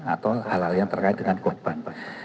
atau hal hal yang terkait dengan korban